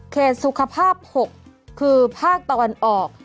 เคสสุขภาพ๖คือภาคตอนออก